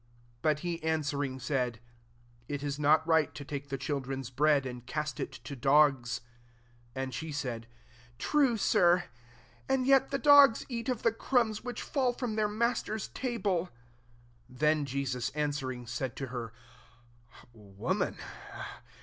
'' 26 But he answering said, *• It is not right to take the children's bread, and cast it to dogs." 27 And she said, " True, Sir : and yet the dogs eat of the crumbs which fall from their Master's table." 28 Then Jesus answer ing said to her, " Woman